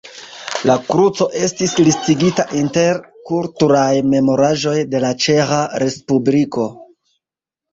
La kruco estis listigita inter kulturaj memoraĵoj de la Ĉeĥa respubliko.